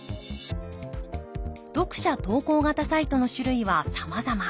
読者投稿型サイトの種類はさまざま。